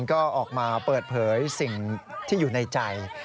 ก็ออกมาเปิดเผยสิ่งที่อยู่ในใจ